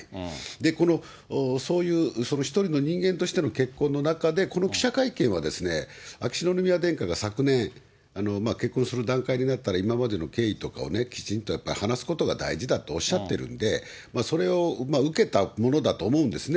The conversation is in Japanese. で、このそういう一人の人間としての結婚の中で、この記者会見は、秋篠宮殿下が昨年、結婚する段階になったら、今までの経緯とかをね、きちんとやっぱり話すことが大事だとおっしゃってるんで、それを受けたものだと思うんですね。